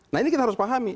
nah ini kita harus pahami